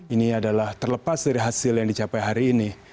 ini adalah terlepas dari hasil yang dicapai hari ini